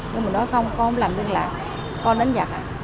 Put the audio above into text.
nhưng mà nói không con làm viên lạc con đánh giặc